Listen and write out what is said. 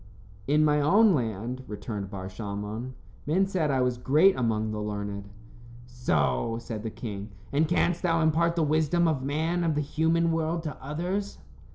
"In my own land," returned Bar Shalmon, "men said I was great among the learned." "So," said the king. "And canst thou impart the wisdom of man and of the human world to others?"